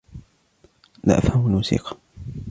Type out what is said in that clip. لا أفهم الموسيقى.